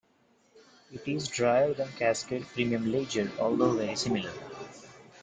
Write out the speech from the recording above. It is drier than Cascade Premium Lager, although very similar.